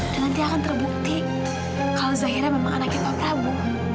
dan nanti akan terbukti kalau zahira memang anaknya pak prabu